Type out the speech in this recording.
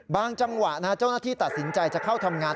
จังหวะเจ้าหน้าที่ตัดสินใจจะเข้าทำงาน